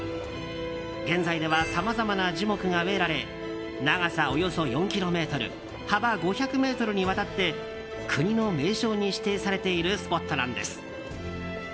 現在ではさまざまな樹木が植えられ長さおよそ４ｋｍ幅５００ｍにわたって国の名勝に指定されているスポットなんです。